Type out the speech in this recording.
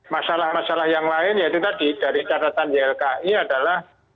masalah masalah yang lain yaitu tadi dari catatan ylki adalah